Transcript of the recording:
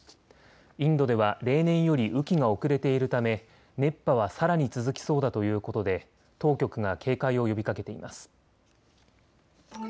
インドでは例年より雨期が遅れているため熱波はさらに続きそうだということで当局が警戒を呼びかけています。